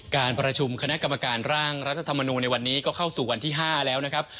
การประชุมคณะกรรมการร่างรัฐธรรมนูลในวันนี้ก็เข้าสู่วันที่๕แล้วนะครับ